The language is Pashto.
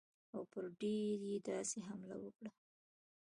او پر دیر یې داسې حمله وکړه.